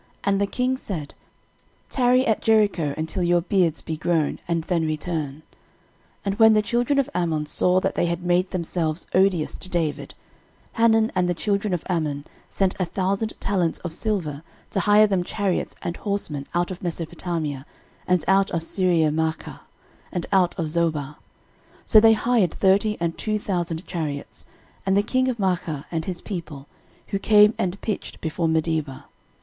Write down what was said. And the king said, Tarry at Jericho until your beards be grown, and then return. 13:019:006 And when the children of Ammon saw that they had made themselves odious to David, Hanun and the children of Ammon sent a thousand talents of silver to hire them chariots and horsemen out of Mesopotamia, and out of Syriamaachah, and out of Zobah. 13:019:007 So they hired thirty and two thousand chariots, and the king of Maachah and his people; who came and pitched before Medeba.